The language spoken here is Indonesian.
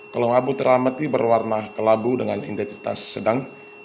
kalau abu terameti berwarna kelabu dengan intensitas sedang